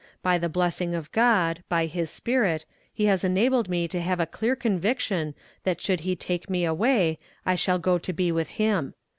By the blessing of God, by his spirit, he has enabled me to have a clear conviction that should he take me away I shall go to be with him.